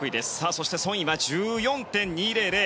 そしてソン・イは１４．２００。